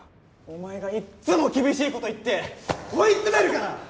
お前がいっつも厳しいこと言って追い詰めるから！